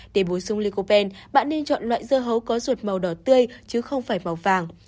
để bổ sung licopen bạn nên chọn loại dưa hấu có ruột màu đỏ tươi chứ không phải màu vàng